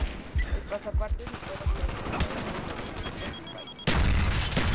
El pasaporte se puede obtener en cada uno de los distritos del país.